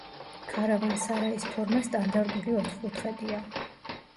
ქარავან-სარაის ფორმა სტანდარტული ოთხკუთხედია.